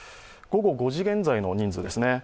午後５時現在の人数です。